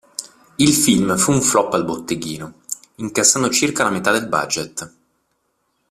Il film fu un flop al botteghino, incassando circa la metà del budget.